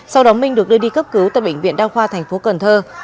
sau đó minh được đưa đi cấp cứu tại bệnh viện đa khoa thành phố cần thơ